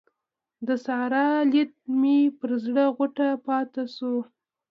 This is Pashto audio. د سارا لیدل مې پر زړه غوټه پاته شول.